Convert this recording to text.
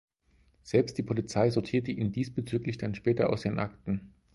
Selbst die Polizei sortierte ihn diesbezüglich dann später aus den Akten.